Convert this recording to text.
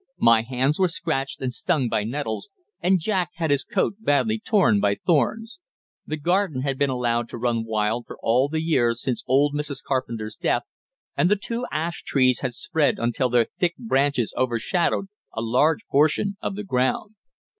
My hands were scratched, and stung by nettles, and Jack had his coat badly torn by thorns. The garden had been allowed to run wild for all the years since old Mrs. Carpenter's death, and the two ash trees had spread until their thick branches overshadowed a large portion of the ground.